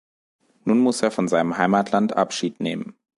Nun muss er von seinem Heimatland Abschied nehmen.